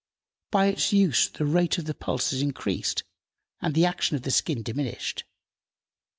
By its use the rate of the pulse is increased and the action of the skin diminished.